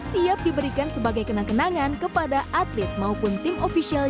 siap diberikan sebagai kenang kenangan kepada atlet maupun tim ofisial